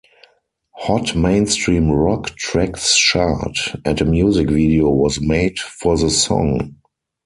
Hot Mainstream Rock Tracks chart, and a music video was made for the song.